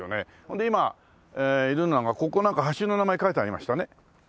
で今いるのがここなんか橋の名前書いてありましたね。